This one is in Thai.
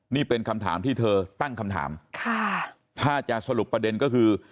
นี่เป็นคำถามที่เธอตั้งคำถามค่ะถ้าจะสรุปประเด็นก็คือ